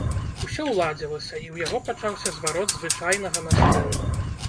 Усё ўладзілася, і ў яго пачаўся зварот звычайнага настрою.